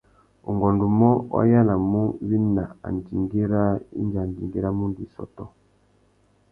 Ungôndumô, wa yānamú wina andjingüî râā indi andjingüî râ mundu i sôtô.